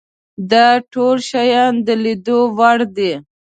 دا ټول شیان د لیدلو وړ دي.